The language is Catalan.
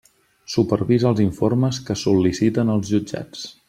Supervisa els informes que sol·liciten els jutjats.